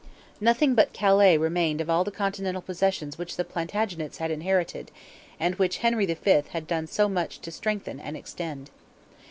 Nothing but Calais remained of all the Continental possessions which the Plantagenets had inherited, and which Henry V. had done so much to strengthen and extend.